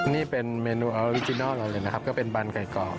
นี่เป็นเมนูออริจินัลเราเลยนะครับก็เป็นบานไก่กรอบ